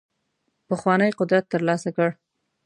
پخوانی قدرت ترلاسه کړ.